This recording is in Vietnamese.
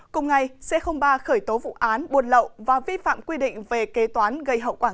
cùng ngày c ba khởi tố vụ án buôn lậu và vi phạm quy định về kế toán gây hậu quả